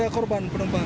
ada korban penumpang